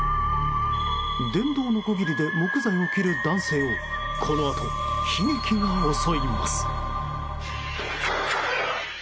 電動のこぎりで木材を切る男性をこのあと、悲劇が襲います。